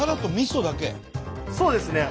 そうですね。